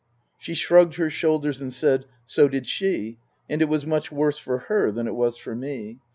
She shrugged her shoulders and said, So did she, and it was much worse for her than it was for me.